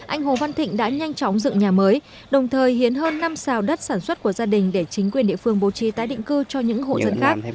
anh hồ văn thịnh đã nhanh chóng dựng nhà mới đồng thời hiến hơn năm xào đất sản xuất của gia đình để chính quyền địa phương bố trí tái định cư cho những hộ dân khác